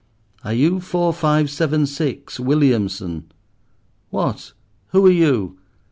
"Are you four five seven six, Williamson?" "What! who are you?"